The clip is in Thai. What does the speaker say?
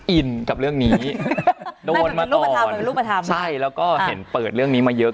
อินกับเรื่องนี้ละวนมาก่อนใช่แล้วก็เห็นเปิดเรื่องนี้มาเยอะ